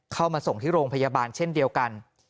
เข้ามาส่งที่โรงพยาบาลเช่นเดียวกัน